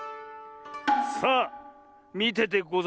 さあみててござれ。